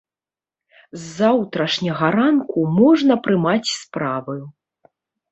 З заўтрашняга ранку можна прымаць справы.